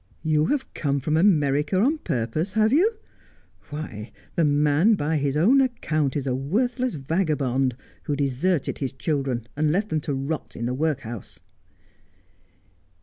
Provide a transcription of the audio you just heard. ' You have come from America on purpose, have you 1 Why, the man, by his own account, is a worthless vagabond, who de serted his children and left them to rot in the workhouse.'